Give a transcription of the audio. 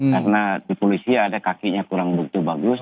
karena di polisi ada kakinya kurang begitu bagus